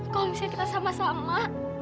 kalau misalnya kita sama sama